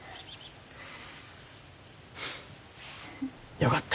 よかった。